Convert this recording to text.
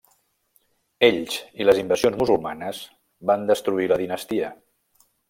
Ells i les invasions musulmanes van destruir la dinastia.